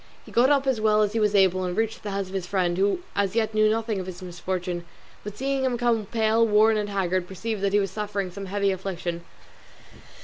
He got up as well as he was able and reached the house of his friend, who as yet knew nothing of his misfortune, but seeing him come pale, worn, and haggard, perceived that he was suffering some heavy affliction.